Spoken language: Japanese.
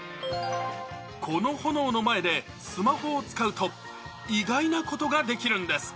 この炎の前でスマホを使うと、意外なことができるんです。